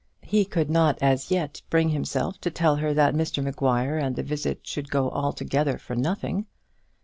He could not as yet bring himself to tell her that Mr Maguire and the visit should go altogether for nothing.